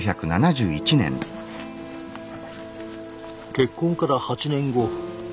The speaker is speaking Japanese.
結婚から８年後。